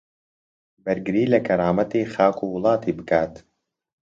بەرگری لە کەرامەتی خاک و وڵاتی بکات